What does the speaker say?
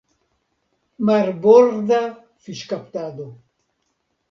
Marborda fiŝkaptado.